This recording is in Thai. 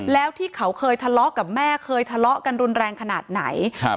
แล้วที่เขาเคยทะเลาะกับแม่เคยทะเลาะกันรุนแรงขนาดไหนครับ